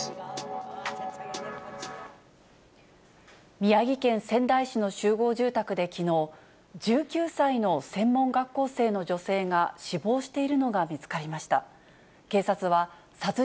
宮城県仙台市の集合住宅できのう、１９歳の専門学校生の女性が死亡しているのが見つかりました。